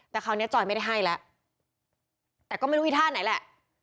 แต่คราวนี้จอยไม่ได้ให้แล้วแต่ก็ไม่รู้อีท่าไหนแหละ